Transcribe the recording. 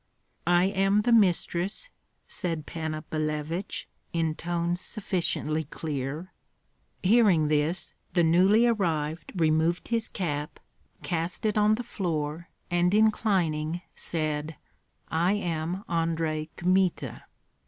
"I am the mistress," said Panna Billevich, in tones sufficiently clear. Hearing this, the newly arrived removed his cap, cast it on the floor, and inclining said, "I am Andrei Kmita."